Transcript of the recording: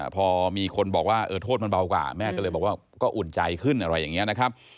พอมีคนบอกว่าโทษมันเบากว่าแม่ก็เลยบอกว่าก็อุ่นใจขึ้นอะไรอย่างนี้นะครับ